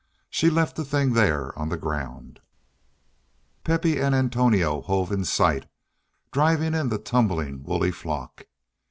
She left the thing there on the ground. Pepe and Antonio hove in sight, driving in the tumbling woolly flock.